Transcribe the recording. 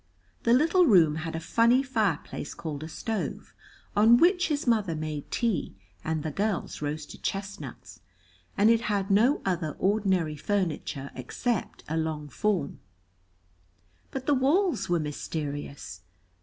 The little room had a funny fireplace called a stove, on which his mother made tea and the girls roasted chestnuts, and it had no other ordinary furniture except a long form. But the walls were mysterious.